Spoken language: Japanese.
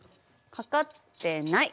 かかってない。